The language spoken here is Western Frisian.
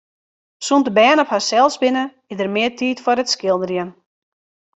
Sûnt de bern op harsels binne, is der mear tiid foar it skilderjen.